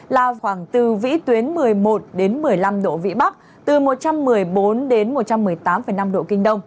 là khoảng từ vĩ tuyến một mươi một đến hai mươi bốn giờ tới